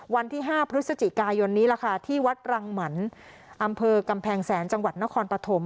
วันที่๕พฤศจิกายนนี้ล่ะค่ะที่วัดรังหมันอำเภอกำแพงแสนจังหวัดนครปฐม